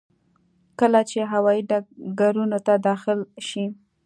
کله چې هوايي ډګرونو ته داخل شي.